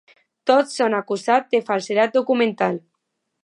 Tots són acusats de falsedat documental.